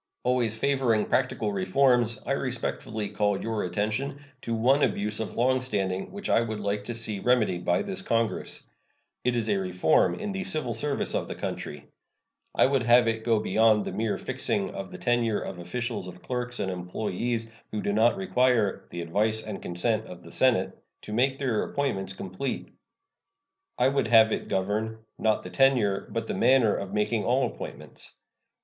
Always favoring practical reforms, I respectfully call your attention to one abuse of long standing which I would like to see remedied by this Congress. It is a reform in the civil service of the country. I would have it go beyond the mere fixing of the tenure of office of clerks and employees who do not require "the advice and consent of the Senate" to make their appointments complete. I would have it govern, not the tenure, but the manner of making all appointments.